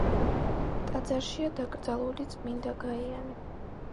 ტაძარშია დაკრძალული წმინდა გაიანე.